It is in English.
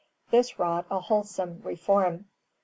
This wrought a wholesome reform.